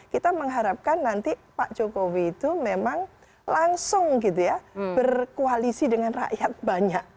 kita mengharapkan nanti pak jokowi itu memang langsung gitu ya berkoalisi dengan rakyat banyak